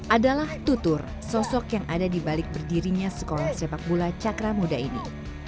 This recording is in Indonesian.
adalah tutur sosok yang ada di balik berdirinya sekolah sepak bola cakra muda ini